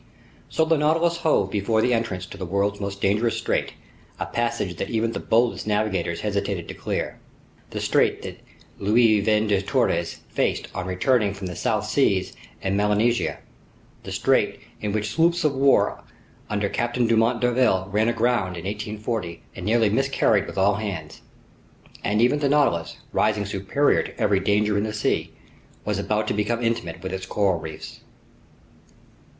So the Nautilus hove before the entrance to the world's most dangerous strait, a passageway that even the boldest navigators hesitated to clear: the strait that Luis Vaez de Torres faced on returning from the South Seas in Melanesia, the strait in which sloops of war under Captain Dumont d'Urville ran aground in 1840 and nearly miscarried with all hands. And even the Nautilus, rising superior to every danger in the sea, was about to become intimate with its coral reefs.